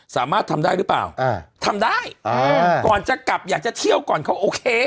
สามารถทำได้หรือเปล่าอ่าทำได้อ่าก่อนจะกลับอยากจะเที่ยวก่อนเขาโอเค